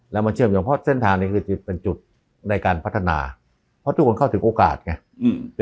แล้วมาเชื่อมโยงเพราะเส้นทางนี้คือเป็นจุดในการพัฒนาเพราะทุกคนเข้าถึงโอกาสไง